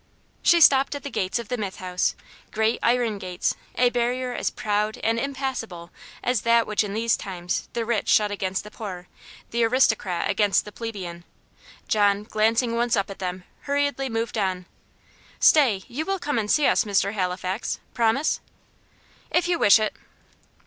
She stopped at the gates of the Mythe House; great iron gates, a barrier as proud and impassable as that which in these times the rich shut against the poor, the aristocrat against the plebeian. John, glancing once up at them, hurriedly moved on. "Stay; you will come and see us, Mr. Halifax? Promise!" "If you wish it."